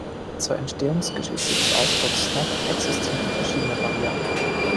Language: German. Zur Entstehungsgeschichte des Ausdrucks "Snob" existieren verschiedene Varianten.